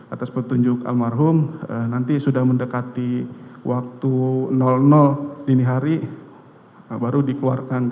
atas petunjuk almarhum nanti sudah mendekati waktu dini hari baru dikeluarkan